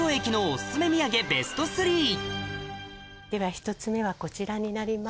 では１つ目はこちらになります。